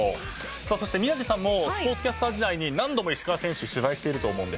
さあそして宮司さんもスポーツキャスター時代に何度も石川選手取材していると思うんですが。